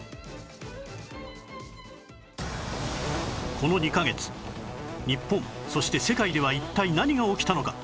この２カ月日本そして世界では一体何が起きたのか？